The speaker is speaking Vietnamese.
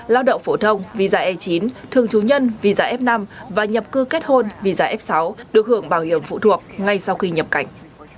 lao động phổ thông visa e chín thường trú nhân visa f năm và nhập cư kết hôn visa f sáu được hưởng bảo hiểm phụ thuộc ngay sau khi nhập cảnh